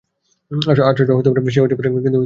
আচার্য যে-সে হতে পারেন না, কিন্তু মুক্ত অনেকে হতে পারে।